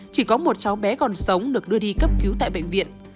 chỉ có một cháu bé còn sống được đưa đi cấp cứu tại bệnh viện